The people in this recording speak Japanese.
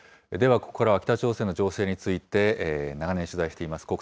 では、ここからは北朝鮮の情勢について、長年取材しています